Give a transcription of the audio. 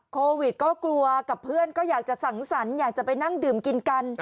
โควิดก็กลัวกับเพื่อนก็อยากจะสังสรรค์อยากจะไปนั่งดื่มกินกัน